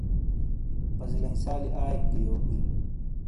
پزیلائیں سالی ائیک گی یوک بئی ؟